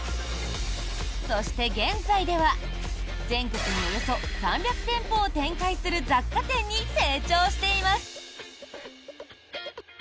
そして現在では、全国におよそ３００店舗を展開する雑貨店に成長しています。